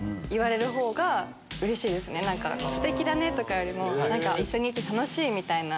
ステキだね！とかよりも一緒にいて楽しい！みたいな。